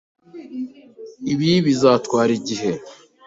Ibi bizatwara igihe.